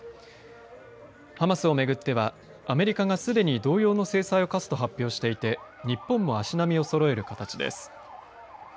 ハマスを巡ってはアメリカがすでに同様の制裁を科すと発表していて日本も足並みをそろえる形です。